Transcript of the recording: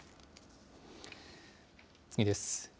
次です。